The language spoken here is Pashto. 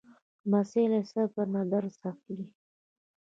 لمسی له صبر نه درس اخلي.